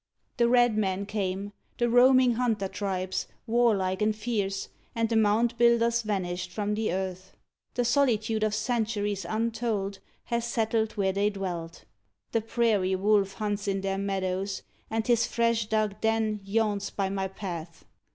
The red man came The roaming hunter tribes, warlike and fierce, And the mound builders vanished from the earth. The solitude of centuries untold Has settled where they dwelt. The prairie wolf Hunts in their meadows, and his fresh dug den Yawns by my path.